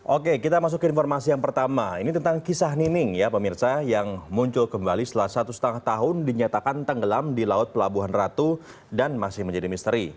oke kita masuk ke informasi yang pertama ini tentang kisah nining ya pemirsa yang muncul kembali setelah satu setengah tahun dinyatakan tenggelam di laut pelabuhan ratu dan masih menjadi misteri